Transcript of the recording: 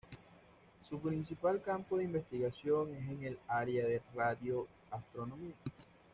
Su principal campo de investigación es en el área de la radioastronomía.